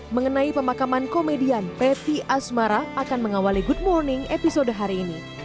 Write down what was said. mengenai pemakaman komedian petty asmara akan mengawali good morning episode hari ini